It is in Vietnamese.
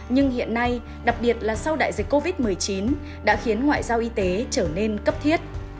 nhưng hiện nay đặc biệt là sau đại dịch covid một mươi chín đã khiến ngoại giao y tế trở nên cấp thiết